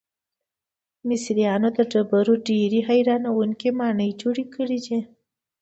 مصریانو د ډبرو ډیرې حیرانوونکې ماڼۍ جوړې کړې دي.